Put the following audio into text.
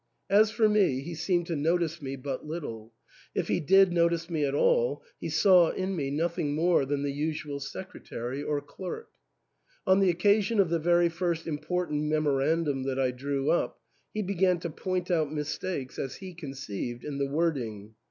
As for me, he seemed to notice me but little ; if he did notice me at all, he saw in me nothing more than the usual secretary or clerk. On the occa sion of the very first important memorandum that I drew up, he began to point out mistakes, as he con ceived, in the wording.